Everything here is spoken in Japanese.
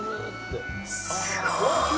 すごい。